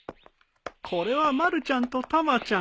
これはまるちゃんとたまちゃん。